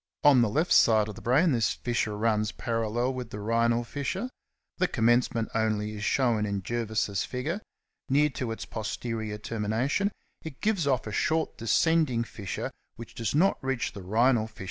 On the left side of the brain this fissure runs parallel with the rhinal fissure; the commencement only is shown in Gervais's figure: near to its posterior termination it gives off a short descending fissure which does not reach the rhinal fissure, but stops short about a ^ Loc.